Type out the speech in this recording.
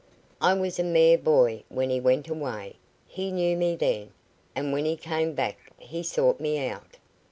I was a mere boy when he went away. He knew me then, and when he came back he sought me out."